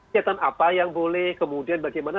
kegiatan apa yang boleh kemudian bagaimana